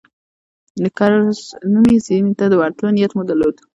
د کرز نومي سیمې ته د ورتلو نیت مو درلود.